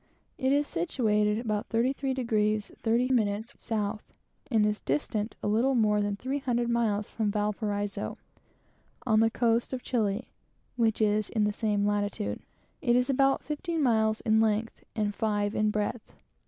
It is situated in about 33º 30' S., and is distant a little more than three hundred miles from Valparaiso, on the coast of Chili, which is in the same latitude. It is about fifteen miles in length and five in breadth.